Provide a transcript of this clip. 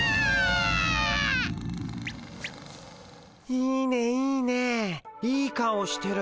いいねいいねいい顔してる。